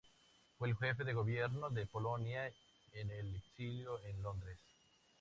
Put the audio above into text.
Fue el jefe del Gobierno de Polonia en el exilio en Londres.